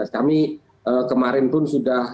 kami kemarin pun sudah